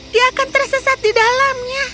dia akan tersesat di dalamnya